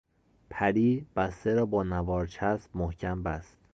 پری بسته را با نوار چسب محکم بست.